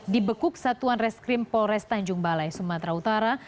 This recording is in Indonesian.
dibekuk satuan reskrim polres tanjung balai sumatera utara